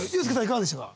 いかがでしたか？